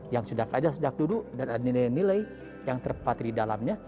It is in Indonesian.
yang sudah ada sejak dulu dan ada nilai nilai yang terpatri di dalamnya